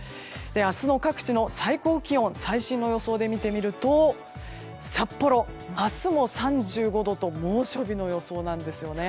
明日の各地の最高気温最新の予想で見てみると札幌、明日も３５度と猛暑日の予想なんですね。